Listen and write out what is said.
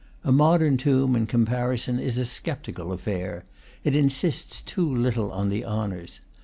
A modern tomb, in com parison, is a sceptical affair; it insists too little on the honors.